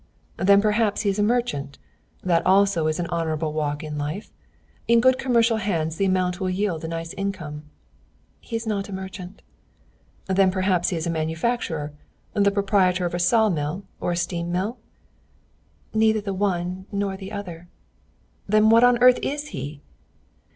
"Then perhaps he is a merchant? That also is an honourable walk in life. In good commercial hands the amount will yield a nice income." "He is not a merchant." "Then perhaps he is a manufacturer, the proprietor of a saw mill or a steam mill?" "Neither the one nor the other." "Then what on earth is he?"